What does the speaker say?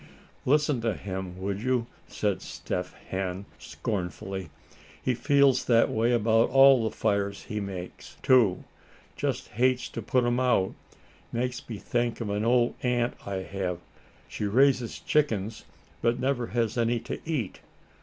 "Listen to him, would you?" said Step Hen, scornfully. "He feels that way about all the fires he makes, too; just hates to put 'em out. Makes me think of an old aunt I have. She raises chickens, but never has any to eat.